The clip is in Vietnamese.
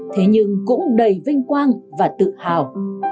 thế nhưng cũng đầy vinh quang và tự hào